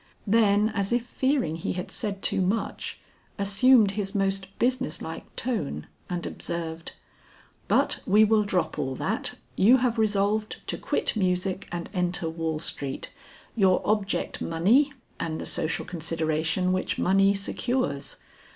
Then as if fearing he had said too much, assumed his most business like tone and observed, "But we will drop all that; you have resolved to quit music and enter Wall Street, your object money and the social consideration which money secures.